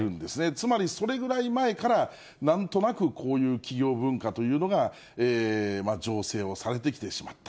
つまり、それぐらい前から、なんとなくこういう企業文化というのが醸成をされてきてしまった。